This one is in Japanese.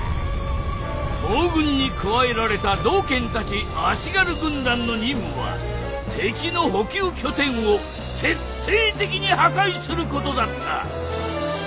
東軍に加えられた道賢たち足軽軍団の任務は敵の補給拠点を徹底的に破壊することだった。